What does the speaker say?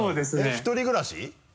１人暮らし？